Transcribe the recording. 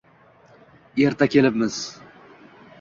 Erta kelibmiz.